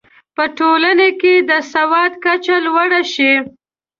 په ټولنه کې د سواد کچه لوړه شي.